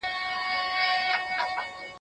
پاچاهان د يوه بل سيمو ته غله وه